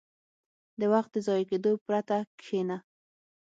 • د وخت د ضایع کېدو پرته کښېنه.